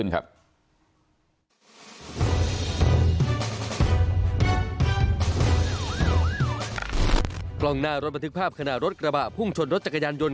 กล้องหน้ารถบันทึกภาพขณะรถกระบะพุ่งชนรถจักรยานยนต